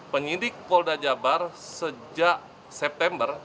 penyidik polda jabar sejak september